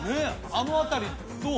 あの辺りどう？